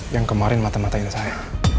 yang kemarin mata mata itu saya